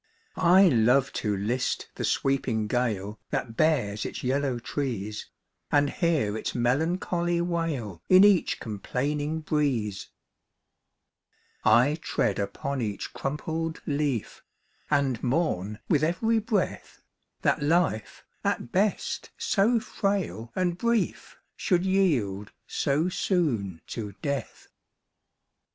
I love to list the sweeping gale That bares its yellow trees, And hear its melancholy wail In each complaining breeze. 16 POEMS. I tread upon each crumpled leaf, And mourn with every breath, That life, at best so frail and brief, Should yield so soon to death.